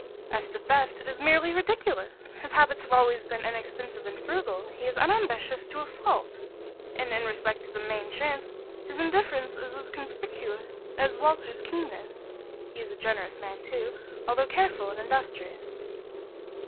As to theft, it is merely ridiculous. His habits have always been inexpensive and frugal, he is unambitious to a fault, and in respect to the 'main chance' his indifference is as conspicuous as Walter's keenness. He is a generous man, too, although careful and industrious."